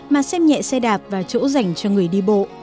mà xem nhẹ xe đạp và chỗ dành cho người đi bộ